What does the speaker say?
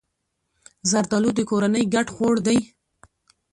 زردالو د کورنۍ ګډ خوړ دی.